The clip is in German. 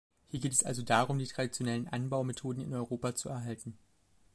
Hier geht es also darum, die traditionellen Anbaumethoden in Europa zu erhalten.